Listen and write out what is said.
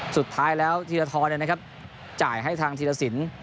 สุดท้ายแล้วธีรธรณ์เนี่ยนะครับจ่ายให้ทางธีรศิลป์